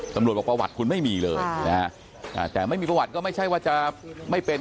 ตำรวจบอกประวัติคุณไม่มีเลยนะฮะแต่ไม่มีประวัติก็ไม่ใช่ว่าจะไม่เป็น